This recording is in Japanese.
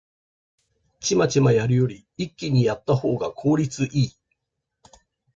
チマチマやるより一気にやったほうが効率いい